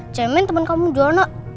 jemen temen kamu juwana